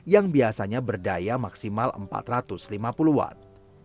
yang biasanya berdaya maksimal empat ratus lima puluh watt